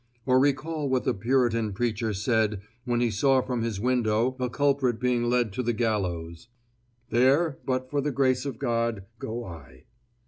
Or recall what the Puritan preacher said when he saw from his window a culprit being led to the gallows: "There, but for the grace of God, go I."